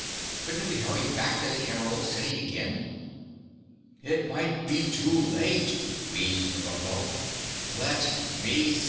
"Couldn't we hurry back to the Emerald City again?" "It might be too late," wheezed Kabumpo. "Let—me—see!"